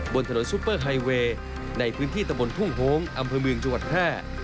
บนถนนซุปเปอร์ไฮเวย์ในพื้นที่ตะบนทุ่งโฮงอำเภอเมืองจังหวัดแพร่